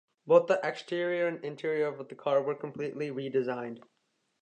Both the exterior and interior of the car were completely redesigned.